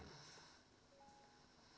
ada yang lain